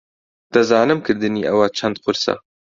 دەزانم کردنی ئەوە چەند قورسە.